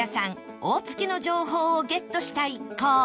オオツキの情報をゲットした一行